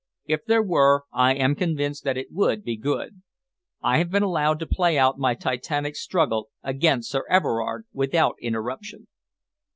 If there were, I am convinced that it would be good. I have been allowed to play out my titanic struggle against Sir Everard without interruption."